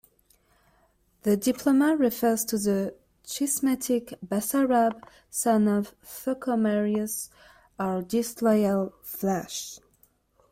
The diploma refers to the schismatic Basarab, son of Thocomerius, our disloyal Vlach.